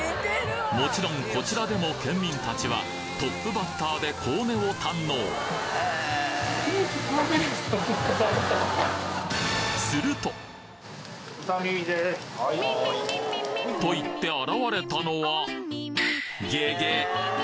もちろんこちらでも県民達はトップバッターでコウネを堪能と言って現れたのはゲゲッ！